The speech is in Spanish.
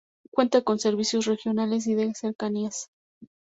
Cuenta con servicios Regionales y de Cercanías.